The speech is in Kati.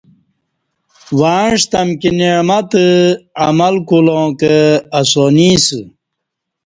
وعݩستہ امکی نعمتہ عمل کولاں کہ اسانی اسہ